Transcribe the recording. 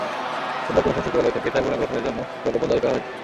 সোমবার কমিশন সচিবালয় থেকে ট্রাইব্যুনাল গঠনের জন্য প্রজ্ঞাপন জারি করা হয়েছে।